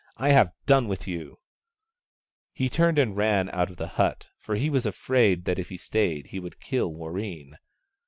I have done with you !" He turned and ran out of the hut, for he was afraid that if he stayed he would kill Warreen.